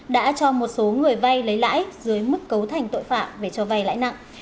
đã cho một số người vay lấy lãi dưới mức cấu thành tội phạm về cho vay lãi nặng